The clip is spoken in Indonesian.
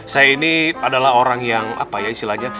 saya ini adalah orang yang apa ya istilahnya